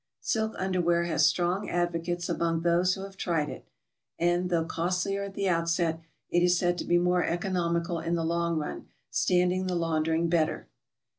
Silk underwear has strong advocates among those who have tried it, and, though costlier at the outset, is said to be more economical in the long run, standing the laundering better.